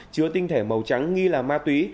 chứa tinh thể màu trắng nghi là ma túy